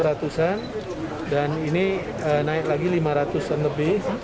empat ratus an empat ratus an dan ini naik lagi lima ratus an lebih